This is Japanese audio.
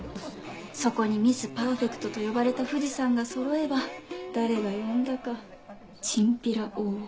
そこにミス・パーフェクトと呼ばれた藤さんがそろえば誰が呼んだかチンピラ大奥。